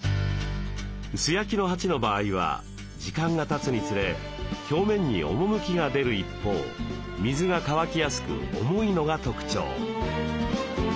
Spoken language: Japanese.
素焼きの鉢の場合は時間がたつにつれ表面に趣が出る一方水が乾きやすく重いのが特徴。